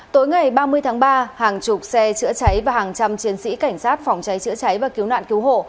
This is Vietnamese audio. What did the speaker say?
tối ngày ba mươi tháng ba hàng chục xe chữa cháy và hàng trăm chiến sĩ cảnh sát phòng cháy chữa cháy và cứu nạn cứu hộ